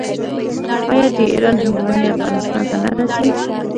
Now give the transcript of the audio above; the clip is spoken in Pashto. آیا د ایران هندواڼې افغانستان ته نه راځي؟